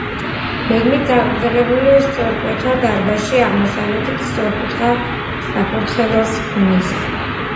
გეგმით წაგრძელებული სწორკუთხა დარბაზი, აღმოსავლეთით სწორკუთხა საკურთხეველს ჰქმნის.